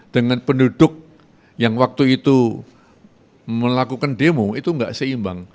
dengan penduduk yang waktu itu melakukan demo itu tidak seimbang